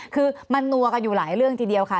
คือมันนัวกันอยู่หลายเรื่องทีเดียวค่ะ